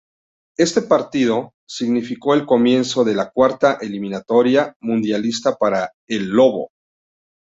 Este partido, significó el comienzo de la cuarta eliminatoria mundialista para el 'Lobo'.